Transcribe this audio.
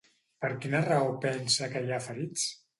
Per quina raó pensa que hi ha ferits?